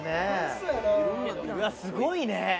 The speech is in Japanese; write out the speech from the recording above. うわっすごいね。